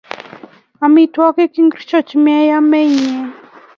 Amitwogik ngorcho che meame inye?